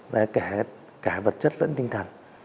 đấy cả vật chất lẫn tinh thần